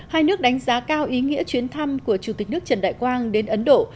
hai nước đánh giá cao ý nghĩa chuyến thăm của chủ tịch nước trần đại quang đến ấn độ